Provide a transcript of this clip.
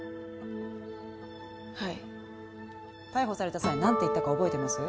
はい逮捕された際何て言ったか覚えてます？